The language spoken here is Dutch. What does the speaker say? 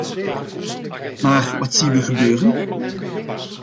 Maar wat zien we gebeuren?